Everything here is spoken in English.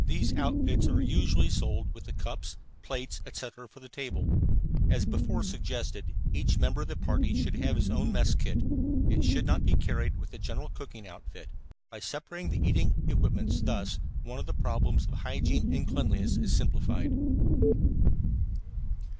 These outfits are usually sold with the cups, plates, etc., for the table. As before suggested, each member of the party should have his own mess kit. It should not be carried with the general cooking outfit. By separating the eating equipments thus, one of the problems of hygiene and cleanliness is simplified.